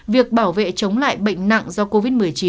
việc bảo vệ chống lại bệnh nặng do covid một mươi chín